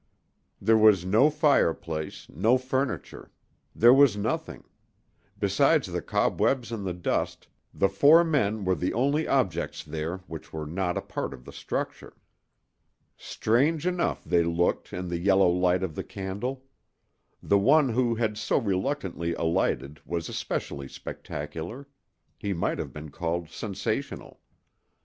There was no fireplace, no furniture; there was nothing: besides the cobwebs and the dust, the four men were the only objects there which were not a part of the structure. Strange enough they looked in the yellow light of the candle. The one who had so reluctantly alighted was especially spectacular—he might have been called sensational.